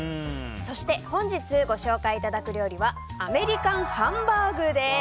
そして、本日ご紹介いただく料理はアメリカンハンバーグです。